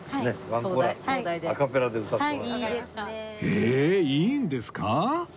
えっいいんですか？